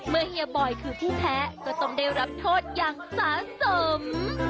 เฮียบอยคือผู้แพ้ก็ต้องได้รับโทษอย่างสะสม